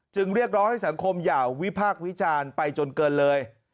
เรียกร้องให้สังคมอย่าวิพากษ์วิจารณ์ไปจนเกินเลย